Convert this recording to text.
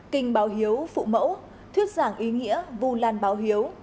kinh báo hiếu phụ mẫu thuyết giảng ý nghĩa vù lan báo hiếu